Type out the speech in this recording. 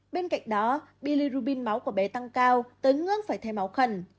bên cạnh đó billerubin máu của bé tăng cao tới ngưỡng phải thay máu khẩn